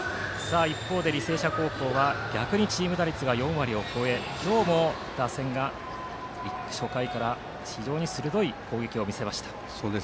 一方で履正社高校は逆にチーム打率が４割を超え今日も打線が初回から非常に鋭い攻撃を見せました。